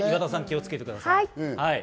岩田さん、気をつけてください。